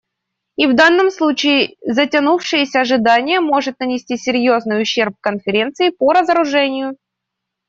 И в данном случае затянувшееся ожидание может нанести серьезный ущерб Конференции по разоружению.